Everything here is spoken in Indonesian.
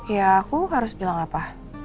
ya aku harus bilang apa